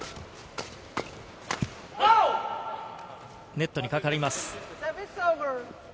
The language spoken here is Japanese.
ネットにかかります。